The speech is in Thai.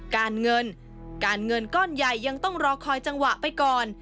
การเงินการเงินก้อนใหญ่ยังต้องรอคอยจังหวะไปก่อน